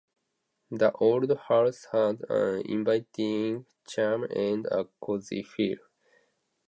The old house had an inviting charm and a cozy feel.